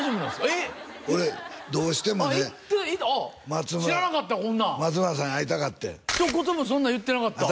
えっ俺どうしてもね松村知らなかったこんなん松村さんに会いたかってん一言もそんなん言ってなかった